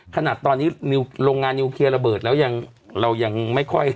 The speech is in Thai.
ขนาดนี้โรงงานนิวเคลียร์ระเบิดแล้วยังเรายังไม่ค่อย